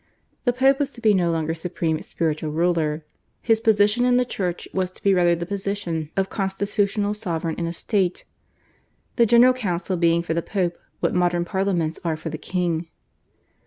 The Pope was to be no longer supreme spiritual ruler. His position in the Church was to be rather the position of a constitutional sovereign in a state, the General Council being for the Pope what modern Parliaments are for the king.